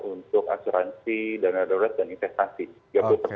untuk asuransi dana darurat dan investasi